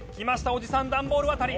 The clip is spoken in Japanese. おじさんダンボール渡り。